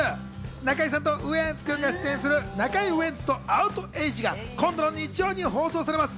中居さんとウエンツ君が出演する『中居ウエンツとアウトエイジ』が今度の日曜に放送されます。